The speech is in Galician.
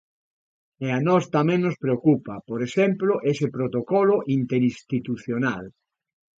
E a nós tamén nos preocupa, por exemplo, ese protocolo interinstitucional.